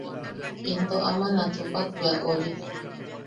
Into aman a chupak bea ori.